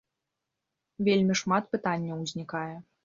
Вельмі шмат пытанняў узнікае.